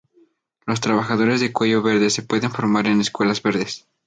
Los trabajadores de cuello verde se pueden formar en escuelas verdes.